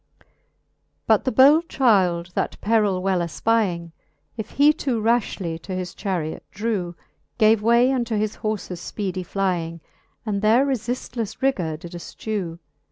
But the bold child that perill well efpying, If he too rafhly to his charret drew. Gave way unto his horfes fpeedie flying. And their refiftleffe rigour did efchew.